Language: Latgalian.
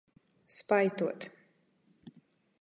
Spaituot.